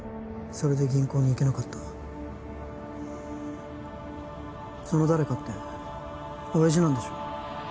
それで銀行に行けなかったその誰かって親爺なんでしょ？